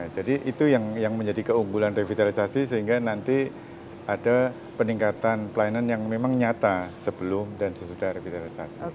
jadi itu yang menjadi keunggulan revitalisasi sehingga nanti ada peningkatan pelayanan yang memang nyata sebelum dan sesudah revitalisasi